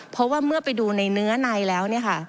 เพราะว่าเมื่อไปดูในเนื้อในแล้วเนี่ยค่ะ